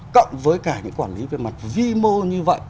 cộng với cả những quản lý về mặt vi mô như vậy